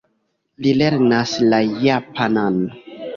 Li lernas la japanan.